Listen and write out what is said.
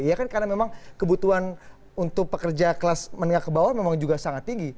ya kan karena memang kebutuhan untuk pekerja kelas menengah ke bawah memang juga sangat tinggi